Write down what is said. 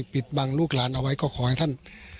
ปิดบังลูกหลานเอาไว้ก็ขอให้ท่าน